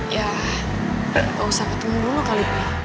ya gak usah ketemu dulu kali pih